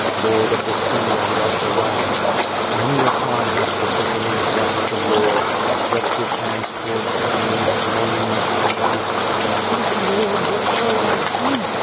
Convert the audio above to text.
Lord of the sea and of the land. Many a time had the fisherman blessed the Ix^rd, stretched his hands towards Heaven in his loneli ness and asked: "Oh, Lord, what shall I do.